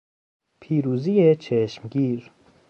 پیروزی چشمگیر